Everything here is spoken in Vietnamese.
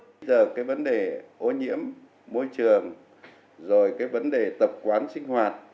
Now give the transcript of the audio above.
bây giờ cái vấn đề ô nhiễm môi trường rồi cái vấn đề tập quán sinh hoạt